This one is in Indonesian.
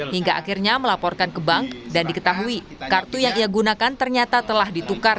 hingga akhirnya melaporkan ke bank dan diketahui kartu yang ia gunakan ternyata telah ditukar